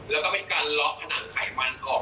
แล้วก็เป็นการล็อกผนังไขมันออก